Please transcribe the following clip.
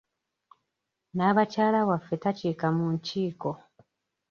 Naabakyala waffe takiika mu nkiiko.